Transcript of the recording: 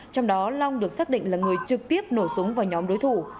trong đó long được xác định là người trực tiếp nổ súng vào nhóm đối thủ